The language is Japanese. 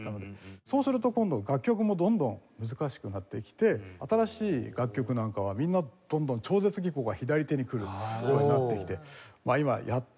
そうすると今度楽曲もどんどん難しくなってきて新しい楽曲なんかはみんなどんどん超絶技巧が左手に来るようになってきて今やっと。